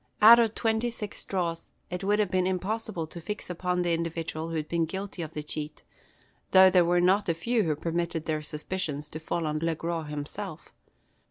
Out of twenty six draws it would have been impossible to fix upon the individual who had been guilty of the cheat, though there were not a few who permitted their suspicions to fall on Le Gros himself.